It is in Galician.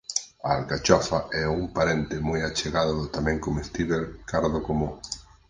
A alcachofa é un parente moi achegado do tamén comestíbel cardo común.